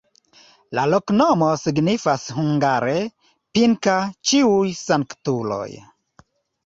La loknomo signifas hungare: Pinka-Ĉiuj Sanktuloj.